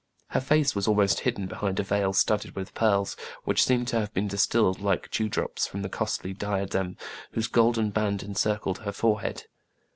Her face was almost hidden behind a veil studded with pearls, which seemed to have been distilled like dewdrops from the costly diadem whose golden band encircled her forehead.